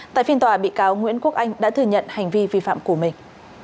tại phiên tòa bị cáo nguyễn quốc anh đã thừa nhận hành vi vi phạm của mình